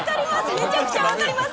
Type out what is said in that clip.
めちゃくちゃわかります。